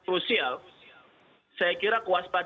krusial saya kira kuas